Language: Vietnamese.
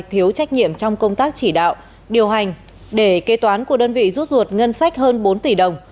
thiếu trách nhiệm trong công tác chỉ đạo điều hành để kế toán của đơn vị rút ruột ngân sách hơn bốn tỷ đồng